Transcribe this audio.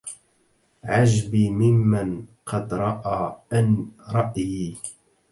عجبي ممن قد رأى ان رأيي